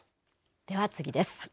では、次です。